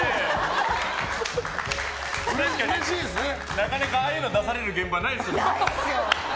なかなかああいうの出される現場ないですもんね。